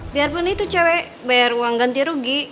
biarpun itu cewek bayar uang ganti rugi